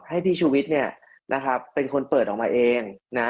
ให้พี่ชูวิทย์เนี่ยนะครับเป็นคนเปิดออกมาเองนะ